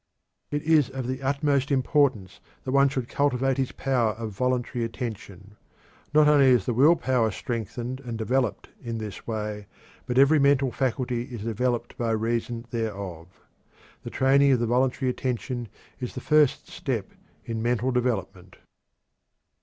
It is of the utmost importance that one should cultivate his power of voluntary attention. Not only is the will power strengthened and developed in this way, but every mental faculty is developed by reason thereof. The training of the voluntary attention is the first step in mental development.